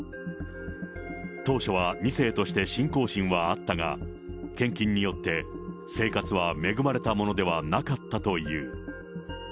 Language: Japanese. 当初は２世として信仰心はあったが、献金によって、生活は恵まれたものではなかったという。